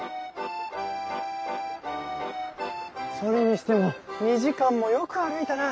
それにしても２時間もよく歩いたな。